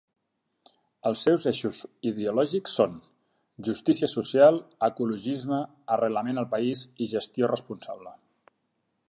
Els seus eixos ideològics són: justícia social, ecologisme, arrelament al país i gestió responsable.